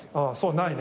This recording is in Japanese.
ないね。